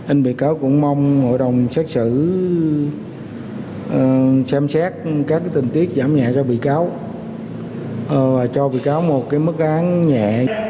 anh bị cáo cũng mong hội đồng sát sử xem xét các tình tiết giảm nhẹ cho bị cáo và cho bị cáo một cái mức án nhẹ